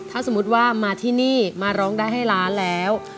ถ้าสมมุติว่ามาที่นี่มาร้องได้ให้ล้านแล้ว